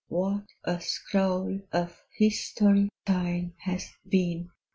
What a scroll of History thine has been!